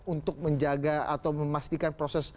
untuk menjaga atau memastikan proses